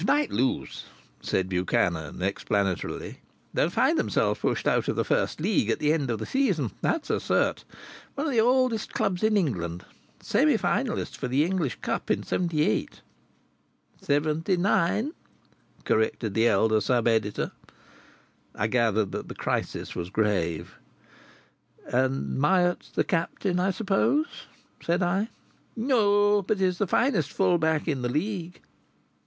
"If Knype lose," said Buchanan, explanatorily, "they'll find themselves pushed out of the First League at the end of the season. That's a cert ... one of the oldest clubs in England! Semi finalists for the English Cup in '78." "'79," corrected the elder sub editor. I gathered that the crisis was grave. "And Myatt's the captain, I suppose?" said I. "No. But he's the finest full back in the League."